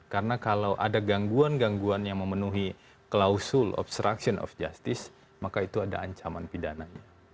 karena kalau ada gangguan gangguan yang memenuhi klausul obstruction of justice maka itu ada ancaman pidananya